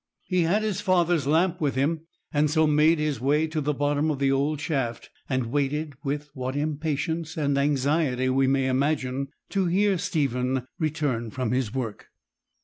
He had his father's lamp with him, and so made his way to the bottom of the old shaft, and waited, with what impatience and anxiety we may imagine, to hear Stephen return from his work.